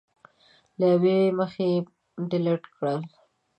له یوې مخې ډیلېټ کړل